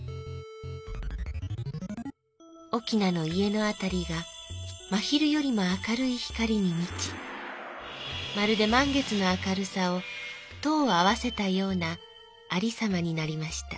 「翁の家のあたりがま昼よりも明るい光にみちまるでまん月の明るさを十合わせたようなありさまになりました。